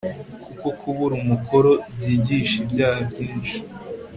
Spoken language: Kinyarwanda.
kuko kubura umukoro byigisha ibyaha byinshi